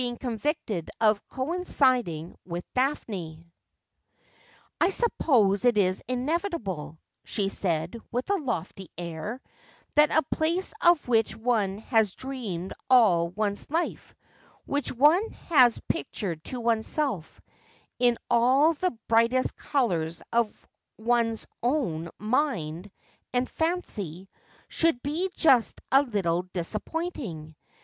^ ennvicled of coinciding with Daphno. ' 1 suppose it is iuovilnble,' she said, v^iiii n lofty air, 'that a place of which one has d teamed all one's life, which one ha ^ pictured to oneself in all the brightest colours of one's own mind and fancy, should lie just a liUle dis;i])pi)inting.